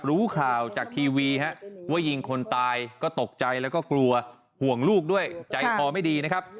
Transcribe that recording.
รู้ข่าวจากทีวีว่ายิงคนตายก็ตกใจแล้วก็กลัวห่วงลูกด้วยใจคอไม่ดีนะครับ